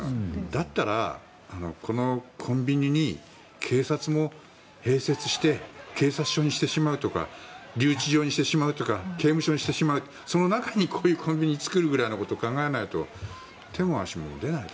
だったら、このコンビニに警察も併設して警察署にしてしまうとか留置場にしてしまうとか刑務所にしてしまうとかその中に、このコンビニを作るぐらいのことを考えないと手も足も出ない。